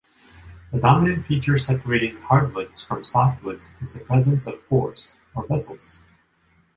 The dominant feature separating "hardwoods" from softwoods is the presence of pores, or vessels.